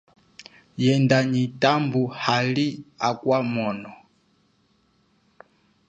Yenda nyi tambu hali akwa mwono.